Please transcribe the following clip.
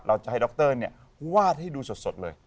เราจะให้ดรวาดให้ดูสดเลย